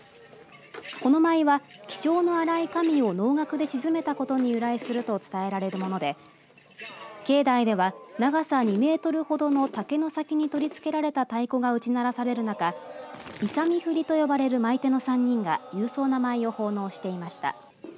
この舞は気性の荒い神を能楽で鎮めたことに由来すると伝えられるもので境内では長さ２メートルほどの竹の先に取り付けられた太鼓が打ち鳴らされる中イサミフリと呼ばれる舞い手の３人が勇壮な舞を奉納していました。